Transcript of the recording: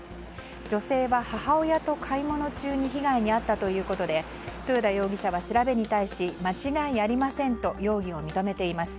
女性は母親と買い物中に被害に遭ったということで豊田容疑者は調べに対し間違いありませんと容疑を認めています。